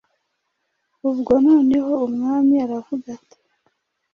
Ubwo noneho umwami aravuga ati